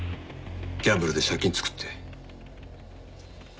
ギャンブルで借金作って。